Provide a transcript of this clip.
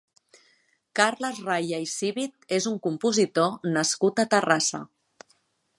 Carles Raya i Civit és un compositor nascut a Terrassa.